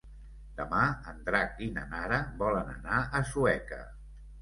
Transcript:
Demà en Drac i na Nara volen anar a Sueca.